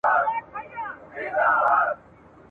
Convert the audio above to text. پردي به ولي ورته راتللای `